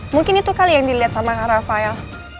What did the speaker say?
mungkin itu kali yang dilihat sama rafael